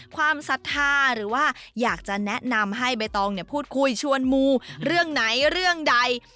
ความศรัทธาหรือว่าอยากจะแนะนำให้ใบตองพูดคุยชวนมูเรื่องไหนเรื่องใด